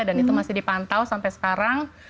dan itu masih dipantau sampai sekarang